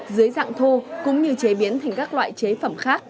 dưới dạng thô cũng như chế biến thành các loại chế phẩm khác